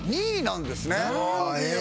２位なんですね。